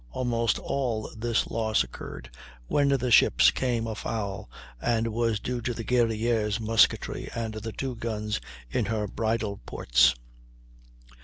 Almost all this loss occurred when the ships came foul, and was due to the Guerrière's musketry and the two guns in her bridle ports.